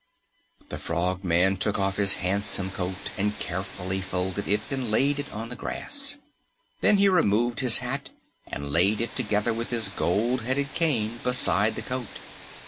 The Frogman took off his handsome coat and carefully folded it and laid it on the grass. Then he removed his hat and laid it together with his gold headed cane beside the coat.